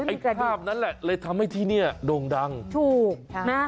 ไอ้ภาพนั้นแหละเลยทำให้ที่เนี่ยโด่งดังถูกค่ะนะ